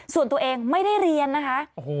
ส่วนตัวเองไม่ได้เรียนนะคะ